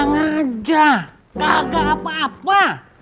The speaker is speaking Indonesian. tenang aja kagak apa apa